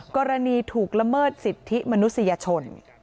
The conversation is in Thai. กรณีถูกละเมิดสิทธิมนุษยชน